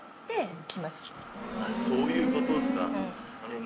そういうことですか。